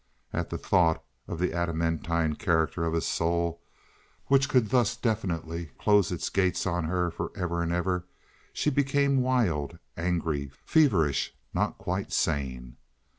At the thought of the adamantine character of his soul, which could thus definitely close its gates on her for ever and ever, she became wild, angry, feverish—not quite sane.